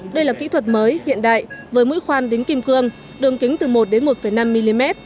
đây là kỹ thuật mới hiện đại với mũi khoan đính kim cương đường kính từ một đến một năm mm